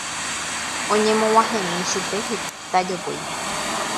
oñemog̃uahẽmi chupe heta jopói